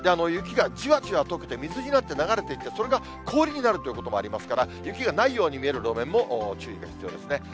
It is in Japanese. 雪がじわじわとけて水になって流れていって、それが氷になるということもありますから、雪がないように見える路面も注意が必要ですね。